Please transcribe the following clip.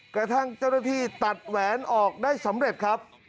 กระทั่งเจ้าหน้าที่ตัดแหวนออกได้สำเร็จครับ